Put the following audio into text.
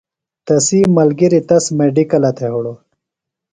تسی ملگِریۡ تس میڈِکلہ تھےۡ ہِڑوۡ۔